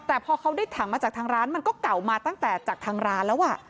แต่พอเขาได้ถังมาจากทางร้านมันก็เก่ามาตั้งแต่จากทางร้านแล้ว